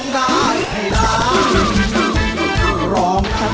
คือร้องได้ให้ตาม